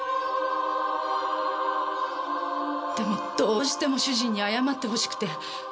でもどうしても主人に謝ってほしくて。